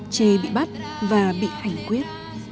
che bị bắt và bị hành quyết